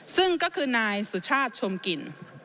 ซึ่งก็คือนายสุชาติชมกลิ่น